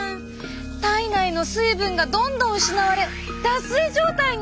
体内の水分がどんどん失われ脱水状態に！